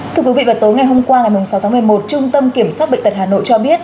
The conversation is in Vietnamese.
thưa quý vị vào tối ngày hôm qua ngày sáu tháng một mươi một trung tâm kiểm soát bệnh tật hà nội cho biết